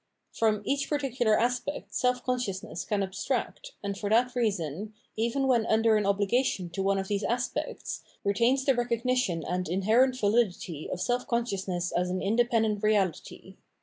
From each particular aspect self consciousness can abstract, and for that reason, even when under an obhgation to one of these aspects, retains the recognition and inherent vahdity of self consciousness as an independent reahty.